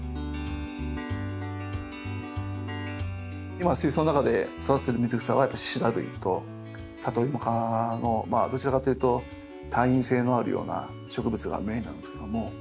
今水槽の中で育ててる水草はシダ類とサトイモ科のどちらかというと耐陰性のあるような植物がメインなんですけども。